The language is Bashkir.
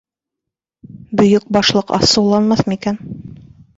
— Бөйөк Башлыҡ асыуланмаҫмы икән?..